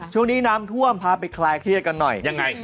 ช่วงนี้น้ำท่วมพาไปคลายเครียดกันหน่อยยังไง